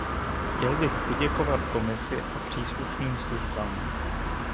Chtěl bych poděkovat Komisi a příslušným službám.